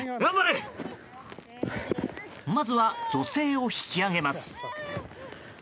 まずは、女性を引き上げます。